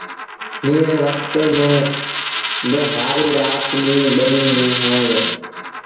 ميݩهن ري وکت ميݩ با هآريٚ رآت ڏيݩهݩ ٻنيٚ ميݩ هوئي دو